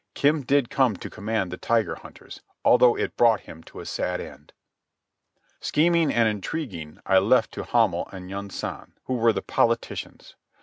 Kim did come to command the Tiger Hunters, although it brought him to a sad end. Scheming and intriguing I left to Hamel and Yunsan, who were the politicians.